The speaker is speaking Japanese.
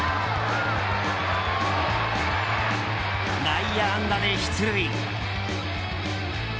内野安打で出塁。